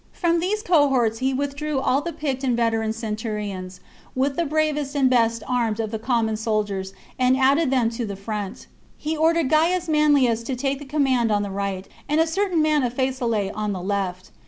From these cohorts he withdrew all the picked and veteran centurions, with the bravest and best armed of the common soldiers, and added them to the front. He ordered Gains Manlius to take the command on the right, and a certain man of Faesulae on the left.